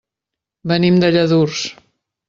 Venim de Lladurs.